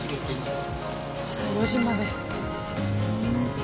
朝４時まで。